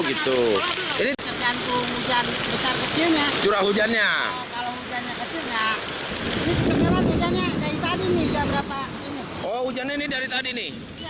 iya dari hujan berapa tadi